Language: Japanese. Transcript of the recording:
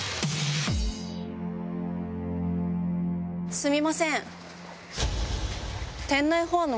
すみません。